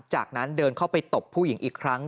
จากนั้นเดินเข้าไปตบผู้หญิงอีกครั้ง